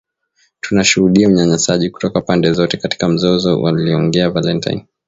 Tunashuhudia unyanyasaji kutoka pande zote katika mzozo aliongeza Valentine